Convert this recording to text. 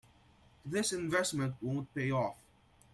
This investment won't pay off.